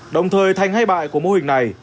đồng thời thanh hay bại của mô hình này